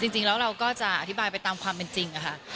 จริงแล้วเราก็จะอธิบายไปตามความเป็นจริงค่ะ